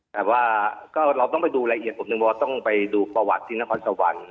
แต่ว่าก็เราต้องไปดูรายละเอียดผมหนึ่งว่าต้องไปดูประวัติที่นครสวรรค์